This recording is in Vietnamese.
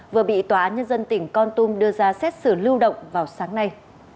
vừa bị tòa án nhân dân tỉnh con tum đưa ra xét xử lưu động vào sáng nay